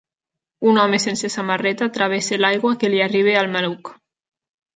Un home sense samarreta travessa l'aigua que li arriba al maluc.